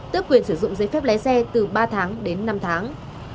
tức quyền sử dụng giấy phép lé xe từ ba tháng đến năm tháng